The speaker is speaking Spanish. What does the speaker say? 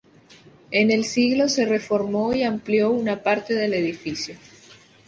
En el siglo se reformó y amplió una parte del edificio.